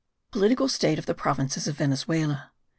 POLITICAL STATE OF THE PROVINCES OF VENEZUELA.